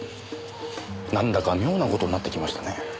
なんだか妙な事になってきましたね。